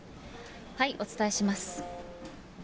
お伝えします。